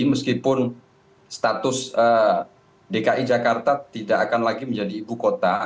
meskipun status dki jakarta tidak akan lagi menjadi ibu kota